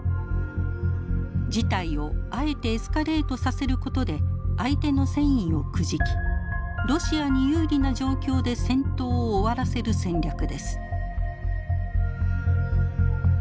事態をあえてエスカレートさせることで相手の戦意をくじきロシアに有利な状況で戦闘を終わらせる戦略です。